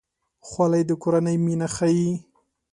خولۍ د کورنۍ مینه ښيي.